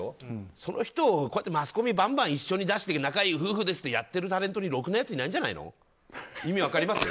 その人をマスコミにバンバン一緒に出して仲いい夫婦ですってやってるタレントにろくなやついないんじゃないの。